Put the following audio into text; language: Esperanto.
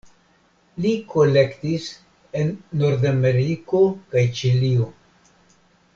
Li kolektis en Nordameriko kaj Ĉilio.